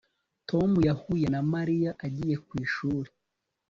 Tom yahuye na Mariya agiye ku ishuri